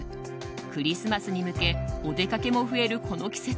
クリスマスに向けお出かけも増えるこの季節。